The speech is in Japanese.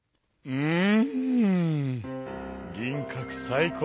うん！